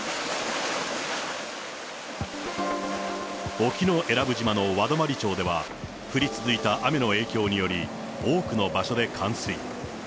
沖永良部島の和泊町では、降り続いた雨の影響により、多くの場所で冠水。